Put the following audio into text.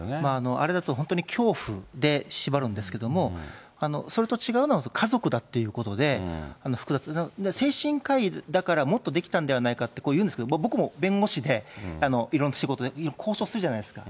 あれだと本当に恐怖で縛るんですけども、それと違うのは、家族だっていうことで、複雑な、精神科医だから、もっとできたんではないかっていうんですけど、僕も弁護士でいろんな仕事で交渉するじゃないですか。